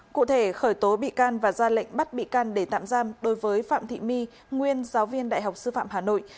cụ thể khởi tố bị can và ra lệnh bắt bị can để tạm giam đối với phạm thị my nguyên giáo viên đại học sư phạm hà nội